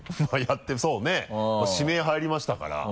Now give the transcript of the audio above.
そうね指名入りましたから。